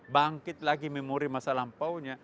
bangkit lagi memori masa lampaunya